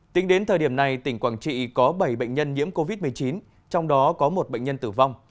tính đến thời điểm này tỉnh quảng trị có bảy bệnh nhân nhiễm covid một mươi chín trong đó có một bệnh nhân tử vong